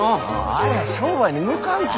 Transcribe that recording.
ありゃ商売に向かんき。